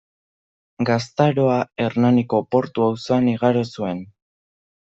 Gaztaroa Hernaniko Portu auzoan igaro zuen.